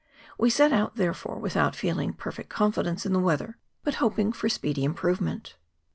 We set out therefore without feeling perfect confidence in the weather, but hoping for speedy improvement.